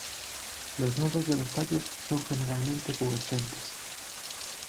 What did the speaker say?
Los nodos de los tallos son generalmente pubescentes.